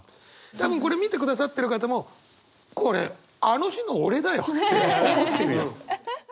多分これ見てくださってる方も「これあの日の俺だよ」って思ってるよ。